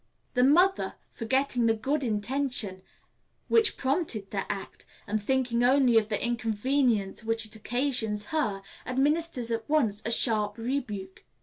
] The mother, forgetting the good intention which prompted the act, and thinking only of the inconvenience which it occasions her, administers at once a sharp rebuke.